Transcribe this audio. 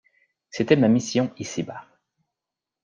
C'était ma mission ici-bas.